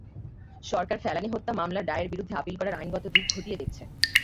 সরকার ফেলানী হত্যা মামলার রায়ের বিরুদ্ধে আপিল করার আইনগত দিক খতিয়ে দেখছে।